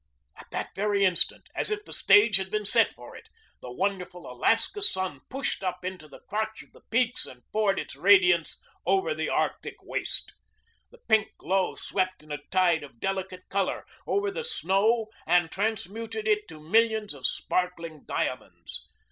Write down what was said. At that very instant, as if the stage had been set for it, the wonderful Alaska sun pushed up into the crotch of the peaks and poured its radiance over the Arctic waste. The pink glow swept in a tide of delicate color over the snow and transmuted it to millions of sparkling diamonds.